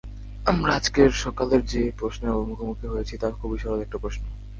আমরা আজকের সকালে যে প্রশ্নের মুখোমুখি হয়েছি তা খুবই সরল একটা প্রশ্ন।